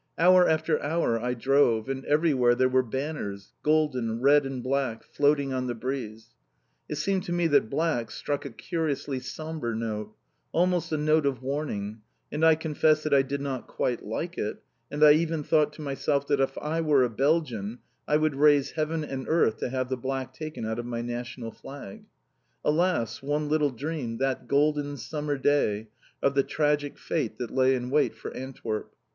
Hour after hour I drove, and everywhere there were banners, golden, red and black, floating on the breeze. It seemed to me that that black struck a curiously sombre note almost a note of warning, and I confess that I did not quite like it, and I even thought to myself that if I were a Belgian, I would raise heaven and earth to have the black taken out of my national flag. Alas, one little dreamed, that golden summer day, of the tragic fate that lay in wait for Antwerp!